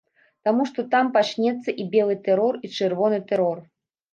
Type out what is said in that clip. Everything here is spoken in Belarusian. Таму што там пачнецца і белы тэрор, і чырвоны тэрор.